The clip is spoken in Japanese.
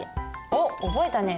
おっ覚えたね。